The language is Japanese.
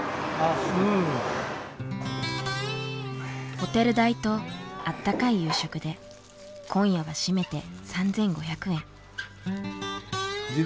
ホテル代と温かい夕食で今夜は締めて３，５００円。